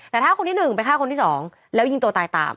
แต่ถ้าคนที่๑ไปฆ่าคนที่๒แล้วยิงตัวตายตาม